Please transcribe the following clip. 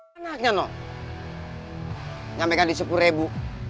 kenapa ngak nyampe ngampe kan di sepuluh ribu